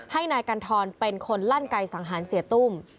ให้นายกัณฑรเป็นคนลั่นไกสังหารเสียตุ้ม